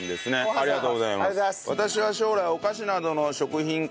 ありがとうございます。